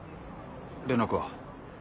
連絡は？